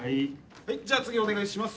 はいじゃあ次お願いします。